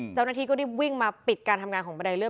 เจ้าหน้าที่ก็รีบวิ่งมาปิดการทำงานของบันไดเ